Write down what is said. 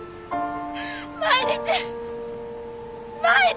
毎日毎日！